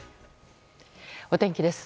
お天気です。